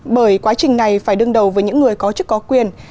bởi quá trình này phải đương đầu với những người có chức có quyền